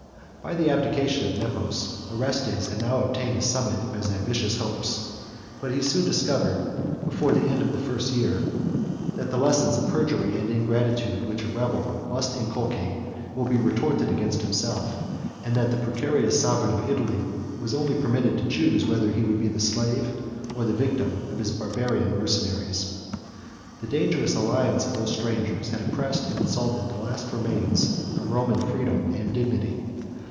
By the abdication of Nepos, Orestes had now attained the summit of his ambitious hopes; but he soon discovered, before the end of the first year, that the lessons of perjury and ingratitude, which a rebel must inculcate, will be resorted to against himself; and that the precarious sovereign of Italy was only permitted to choose, whether he would be the slave, or the victim, of his Barbarian mercenaries. The dangerous alliance of these strangers had oppressed and insulted the last remains of Roman freedom and dignity.